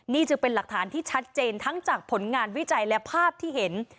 นี่จึงเป็นหลักฐานที่ชัดเจนทั้งจากผลงานวิจัยและภาพที่เห็น